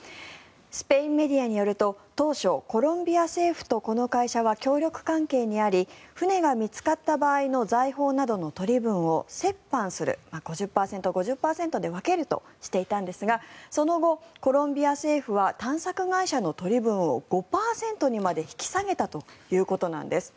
スペインメディアによると当初コロンビア政府とこの会社は協力関係にあり船が見つかった場合の財宝などの取り分を折半する５０％、５０％で分けるとしていたんですがその後、コロンビア政府は探索会社の取り分を５％にまで引き下げたということなんです。